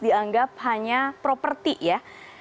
dianggap hanya properti ya